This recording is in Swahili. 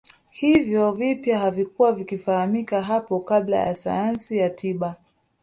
Hivyo vipya havikuwa vikifahamika hapo kabla na sayansi ya tiba